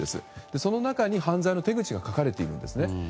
その中に、犯罪の手口が書かれているんですね。